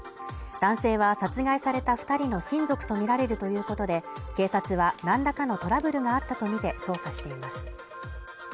男性は殺害された二人の親族と見られるということで警察は何らかのトラブルがあったとみて捜査しています